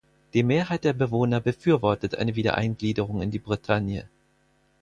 Die Mehrheit der Bewohner befürwortet eine Wiedereingliederung in die Bretagne.